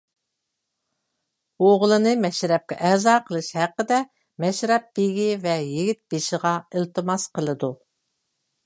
ئوغلىنى مەشرەپكە ئەزا قىلىش ھەققىدە مەشرەپ بېگى ۋە يىگىت بېشىغا ئىلتىماس قىلىدۇ.